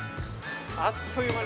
あっという間に。